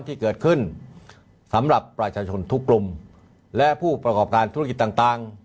ที่เกิดขึ้นสำหรับประชาชนทุกกลุ่มและผู้ประกอบการธุรกิจต่าง